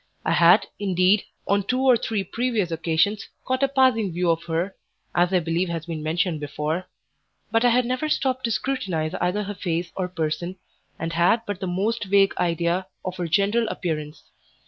I had, indeed, on two or three previous occasions, caught a passing view of her (as I believe has been mentioned before); but I had never stopped to scrutinize either her face or person, and had but the most vague idea of her general appearance.